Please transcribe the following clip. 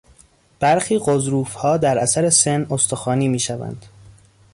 برخی غضروفها در اثر سن استخوانی میشوند.